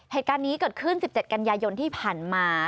เหตุการณ์นี้เกิดขึ้น๑๗กันยายนที่ผ่านมา